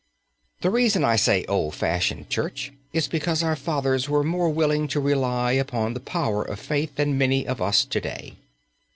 The reason I say "old fashioned" church is because our fathers were more willing to rely upon the power of faith than many of us to day.